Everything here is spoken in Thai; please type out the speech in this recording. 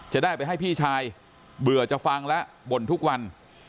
จะได้ไปให้พี่ชายเบื่อจะฟังแล้วบ่นทุกวัน